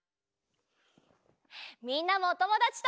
みんなもおともだちと。